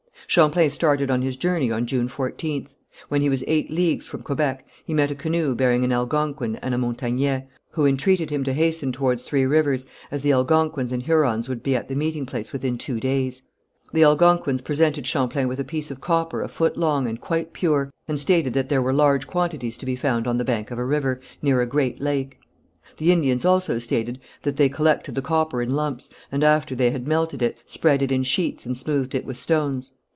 Champlain started on his journey on June 14th. When he was eight leagues from Quebec he met a canoe bearing an Algonquin and a Montagnais, who entreated him to hasten towards Three Rivers, as the Algonquins and Hurons would be at the meeting place within two days. The Algonquins presented Champlain with a piece of copper a foot long and quite pure, and stated that there were large quantities to be found on the bank of a river, near a great lake. The Indians also stated that they collected the copper in lumps, and after they had melted it, spread it in sheets and smoothed it with stones.